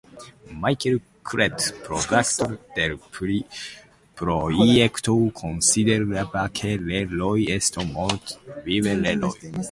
Michael Cretu, productor del proyecto, consideraba que "Le Roi Est Mort, Vive Le Roi!